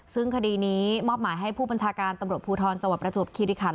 ซึ่งคดีนี้มอบหมายให้ผู้บัญชาการตำรวจภูทรจังหวัดประจวบคิริคัน